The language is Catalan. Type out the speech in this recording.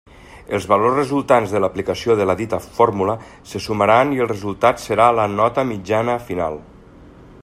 Els valors resultants de l'aplicació de la dita fórmula se sumaran i el resultat serà la nota mitjana final.